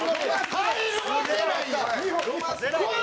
入るわけないやん！